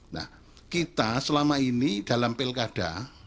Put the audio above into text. nah kita selama ini dalam pilkada